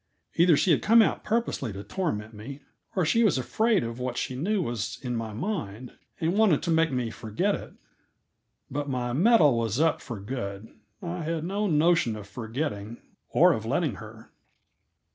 Either she had come out purposely to torment me, or she was afraid of what she knew was in my mind, and wanted to make me forget it. But my mettle was up for good. I had no notion of forgetting, or of letting her.